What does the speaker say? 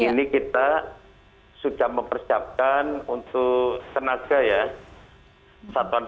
karena ini bisa didirikan pemulihan ekonomi atau pemulihan ekonomi